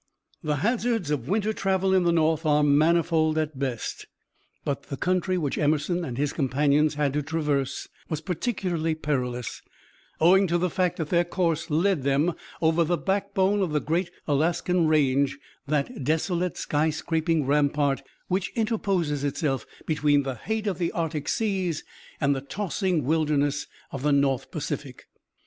The hazards of winter travel in the North are manifold at best, but the country which Emerson and his companions had to traverse was particularly perilous, owing to the fact that their course led them over the backbone of the great Alaskan Range, that desolate, skyscraping rampart which interposes itself between the hate of the Arctic seas and the tossing wilderness of the North Pacific.